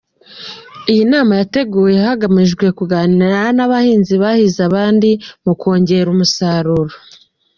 Iyi nama yateguwe hagamijwe kuganira n’abahinzi bahize abandi mu kongera umusaruro .